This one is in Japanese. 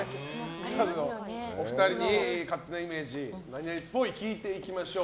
お二人に勝手なイメージ○○っぽいを聞いていきましょう。